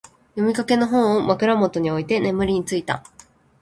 読みかけの本を、枕元に置いて眠りについた。